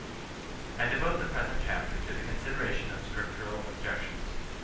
I DEVOTE the present chapter to the consideration of Scriptural Objections.